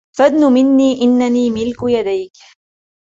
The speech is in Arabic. فادنُ منّي.. إنّني ملك يديك.